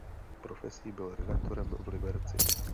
Profesí byl redaktorem v Liberci.